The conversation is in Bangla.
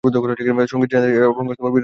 সঙ্গীত জিতেন দেব এবং বীরেন্দ্র কুমারের।